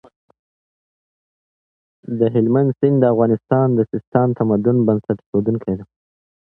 د هلمند سیند د افغانستان د سیستان د تمدن بنسټ اېښودونکی دی.